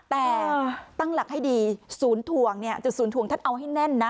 แต่ตั้งหลักให้ดีศูนย์ถ่วงเนี่ยจุดศูนย์ถ่วงท่านเอาให้แน่นนะ